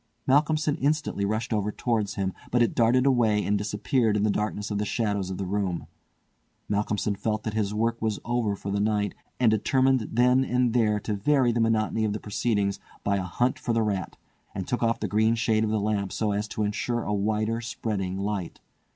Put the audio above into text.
Malcolmson instantly rushed over towards him, but it darted away and disappeared in the darkness of the shadows of the room. Malcolmson felt that his work was over for the night, and determined then and there to vary the monotony of the proceedings by a hunt for the rat, and took off the green shade of the lamp so as to insure a wider spreading light.